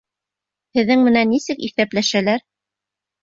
— Һеҙҙең менән нисек иҫәпләшәләр?